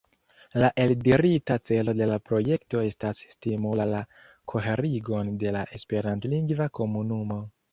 La eldirita celo de la projekto estas "stimuli la koherigon de la esperantlingva komunumo".